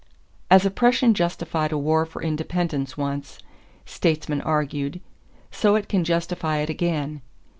As oppression justified a war for independence once, statesmen argued, so it can justify it again.